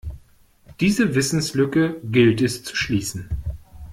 Diese Wissenslücke gilt es zu schließen.